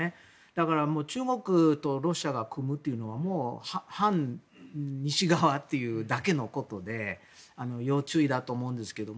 だから中国とロシアが組むというのは反西側というだけのことで要注意だと思うんですけど